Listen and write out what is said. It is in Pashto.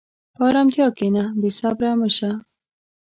په ارامتیا کښېنه، بېصبره مه شه.